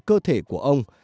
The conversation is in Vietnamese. cơ thể của ông